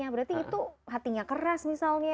berarti itu hatinya keras misalnya